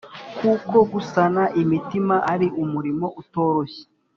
kuko gusana imitima ari umurimo utoroshye.